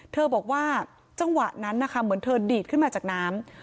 บอกว่าจังหวะนั้นนะคะเหมือนเธอดีดขึ้นมาจากน้ำ